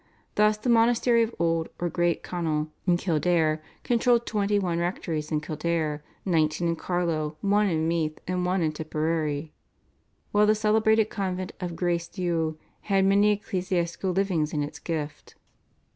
Thus the monastery of Old or Great Connal in Kildare controlled twenty one rectories in Kildare, nineteen in Carlow, one in Meath and one in Tipperary, while the celebrated convent of Grace Dieu had many ecclesiastical livings in its gift.